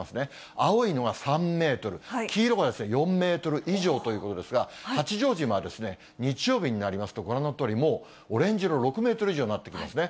青いのが３メートル、黄色が４メートル以上ということですが、八丈島は日曜日になりますと、ご覧のとおり、もうオレンジ色、６メートル以上になってきますね。